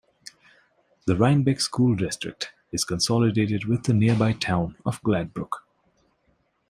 The Reinbeck school district is consolidated with the nearby town of Gladbrook.